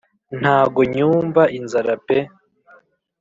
Ntago nyumva inzara pe